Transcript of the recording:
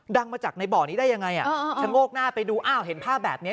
ดังมาจากในบ่อนี้ได้ยังไงชะโงกหน้าไปดูอ้าวเห็นภาพแบบนี้